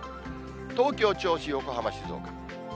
東京、銚子、横浜、静岡。